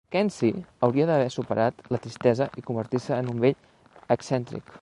Mackenzie hauria d'haver superat la tristesa i convertir-se en un vell excèntric.